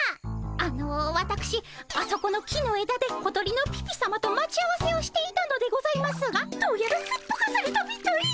あのわたくしあそこの木のえだで小鳥のピピさまと待ち合わせをしていたのでございますがどうやらすっぽかされたみたいで。